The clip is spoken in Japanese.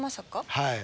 はい。